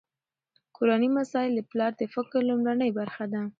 کورني مسایل د پلار د فکر لومړنۍ برخه ده.